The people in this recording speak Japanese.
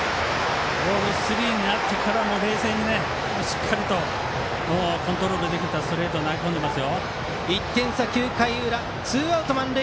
ボールスリーになってからも冷静にしっかりとコントロールできたストレートを投げ込んでいます。